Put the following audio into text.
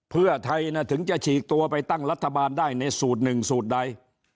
เพื่อไทยถึงจะฉีกตัวไปตั้งรัฐบาลได้ในสูตรหนึ่งสูตรใด